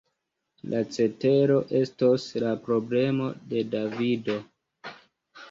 La cetero estos la problemo de Davido!